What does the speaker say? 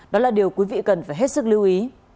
đó là điều quý vị cần phải hết sức lưu ý